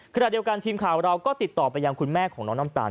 ขณะเดียวกันทีมข่าวเราก็ติดต่อไปยังคุณแม่ของน้องน้ำตาล